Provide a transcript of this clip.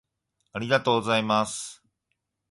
ありがとうございます。